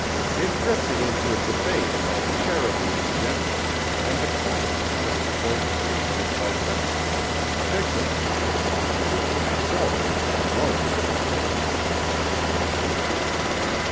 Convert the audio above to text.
It drifted into a debate about charity in general and the kindness shown toward strangers by country folk in particular, with myself in the minority, of course," Jim explained.